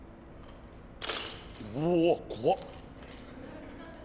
うわっ怖っ。